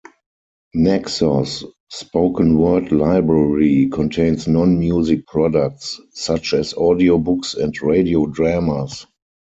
Naxos Spoken Word Library contains non-music products, such as audiobooks and radio dramas.